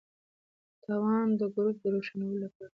توان د ګروپ د روښانولو لپاره پکار دی.